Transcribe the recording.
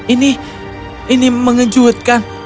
ini ini mengejutkan